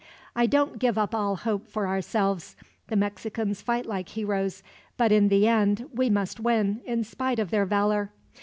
"I don't give up all hope for ourselves. The Mexicans fight like heroes, but in the end we must win, in spite of their valor.